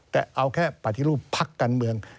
แต่เอาแค่ปฏิรูปภักดิ์การเมือง